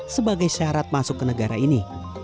sebagai syarat masuk ke negara ini